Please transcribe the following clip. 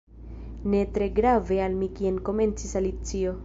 "Ne tre grave al mi kien " komencis Alicio.